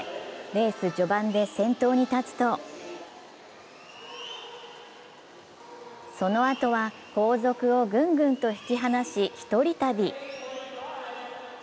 レース序盤で先頭に立つとそのあとは後続をぐんぐんと引き離し、一人旅。